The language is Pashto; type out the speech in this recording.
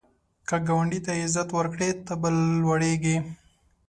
که ګاونډي ته عزت ورکړې، ته به لوړیږې